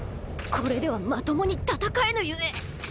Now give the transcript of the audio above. これではまともに戦えぬゆえ。